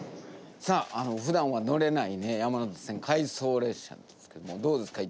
さあふだんは乗れないね山手線回送列車ですけどもどうですか？